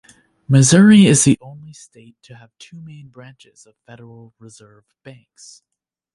Missouri is the only state to have two main branches of Federal Reserve Banks.